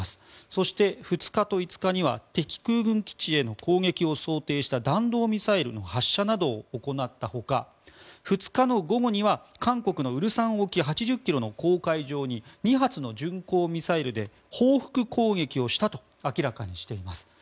そして２日と５日には敵空軍基地への攻撃を想定した弾道ミサイルの発射などを行ったほか２日の午後には韓国の蔚山沖８０ｋｍの公海上に２発の巡航ミサイルで報復攻撃をしたと明らかにしています。